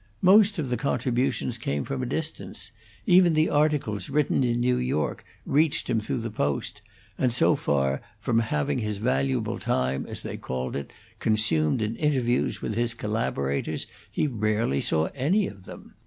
Most of the contributions came from a distance; even the articles written in New York reached him through the post, and so far from having his valuable time, as they called it, consumed in interviews with his collaborators, he rarely saw any of them.